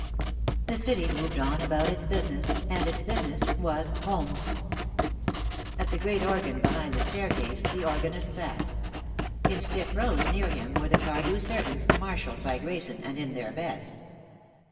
The city moved on about its business, and its business was homes. At the great organ behind the staircase the organist sat. In stiff rows near him were the Cardew servants, marshaled by Grayson and in their best.